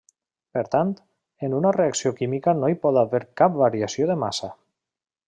Per tant, en una reacció química no hi pot haver cap variació de massa.